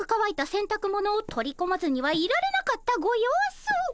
せんたくものを取り込まずにはいられなかったご様子。